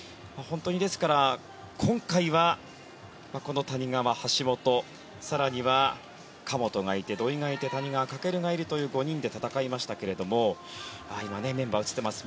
ですから、今回はこの谷川、橋本更には神本がいて土井がいて谷川翔がいるという５人で戦いましたが今、メンバーが映っていました。